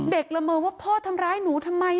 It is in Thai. ละเมอว่าพ่อทำร้ายหนูทำไม